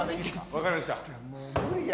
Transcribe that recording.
わかりました。